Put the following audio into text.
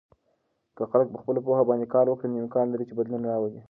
که خلک په خپلو پوهه باندې کار وکړي، نو امکان لري چې بدلون راولي.